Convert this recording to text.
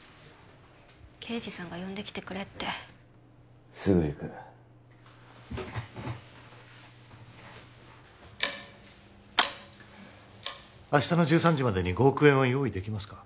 刑事さんが呼んできてくれってすぐ行く明日の１３時までに５億円は用意できますか？